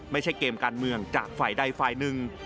ไม่ใช่เกมการเมืองจากฝ่ายใดฝ่ายหนึ่ง